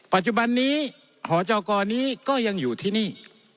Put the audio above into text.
ปัจจุบันนี้หจกรนี้ก็ยังอยู่ที่นี่